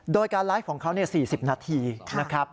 โดยการไลฟ์ของเขา๔๐นาทีนะครับ